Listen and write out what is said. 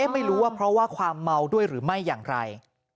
ไม่รู้ว่าเพราะว่าความเมาด้วยหรือไม่อย่างไร